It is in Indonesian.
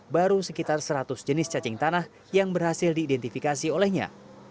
baru sekitar seratus jenis cacing tanah yang berhasil diidentifikasi olehnya